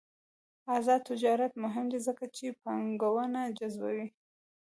آزاد تجارت مهم دی ځکه چې پانګونه جذبوي.